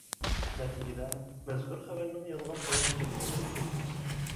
نەتىجىدە مەزكۇر خەۋەرنىڭ يالغان خەۋەر ئىكەنلىكىنى بىلدىم.